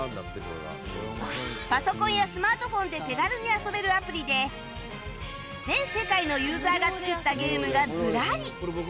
パソコンやスマートフォンで手軽に遊べるアプリで全世界のユーザーが作ったゲームがズラリ